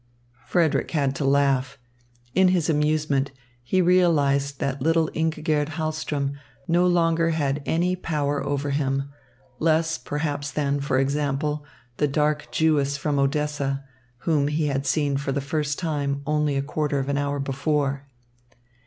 Frederick had to laugh. In his amusement he realised that little Ingigerd Hahlström no longer had any power over him, less, perhaps than, for example, the dark Jewess from Odessa, whom he had seen for the first time only a quarter of an hour before.